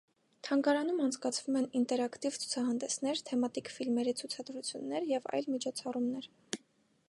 Թանգարանում անցկացվում են ինտերակտիվ ցուցահանդեսներ, թեմատիկ ֆիլմերի ցուցադրություններ և այլ միջոցառումներ։